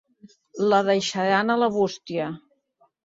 La deixaran a la bústia.